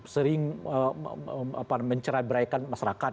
sering mencerah beraikan masyarakat